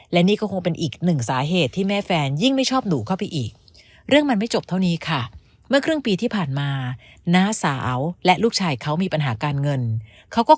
และนี่ก็คงเป็นอีกหนึ่งสาเหตุที่แม่แฟนยิ่งไม่ชอบหนูเข้าไปอีก